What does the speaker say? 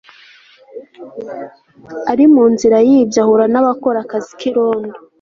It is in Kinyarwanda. Ari munzira ayibye ahura na bakora akazi kirondo